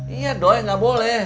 iya doi gak boleh